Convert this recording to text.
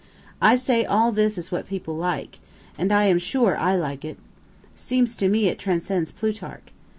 I say all this is what people like and I am sure I like it. Seems to me it transcends Plutarch.